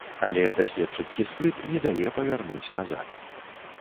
Але даследчыцкі спрыт не дае павярнуць назад.